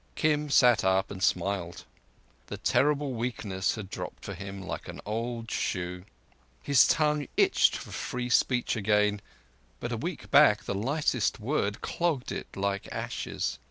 Kim sat up and smiled. The terrible weakness had dropped from him like an old shoe. His tongue itched for free speech again, and but a week back the lightest word clogged it like ashes.